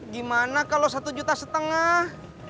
gimana kalau satu juta setengah